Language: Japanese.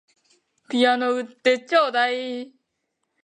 ピアノ売ってちょうだい